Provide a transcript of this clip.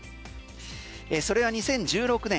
それは２０１６年